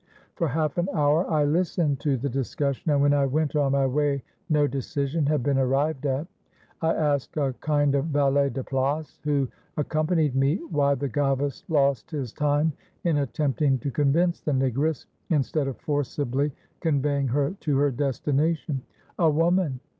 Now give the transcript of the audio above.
For half an hour I listened to the discussion, and when I went on my way no decision had been arrived at. I asked a kind of valet de place who accompanied me, why the gavas lost his time in attempting to convince the negress, instead of forcibly conveying her to her destination. 'A woman!'